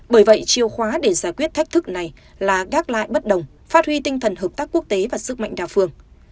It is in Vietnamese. bởi vậy chiều khóa để giải quyết thách thức này là gác lại bất đồng phát huy tinh thần hợp tác quốc tế và sức mạnh đa phương